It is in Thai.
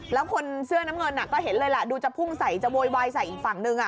แล้วคนเสื้อน้ำเงินก็เห็นเลยแหละดูจะพุ่งใส่จะโวยวายใส่อีกฝั่งนึง